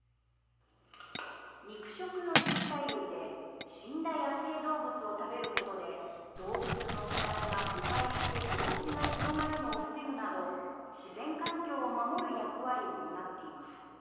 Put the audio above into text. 肉食の有袋類で死んだ野生動物を食べることで動物の死体が腐敗して病気が広がるのを防ぐなど自然環境を守る役割を担っています。